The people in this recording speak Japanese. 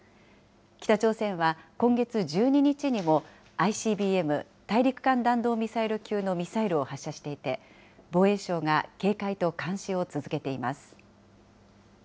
北朝鮮は今月１２日にも、ＩＣＢＭ・大陸間弾道ミサイル級のミサイルを発射していて、防衛省が警戒と監視を続けています。